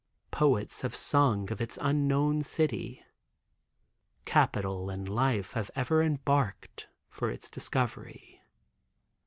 Poets have sung of its unknown city. Capital and life have ever embarked for its discovery.